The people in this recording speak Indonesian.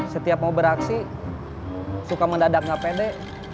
setiap mau beraksi suka mendadak nggak pede